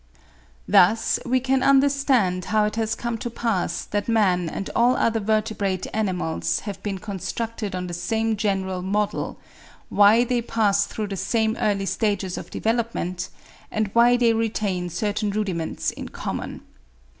Thus we can understand how it has come to pass that man and all other vertebrate animals have been constructed on the same general model, why they pass through the same early stages of development, and why they retain certain rudiments in common.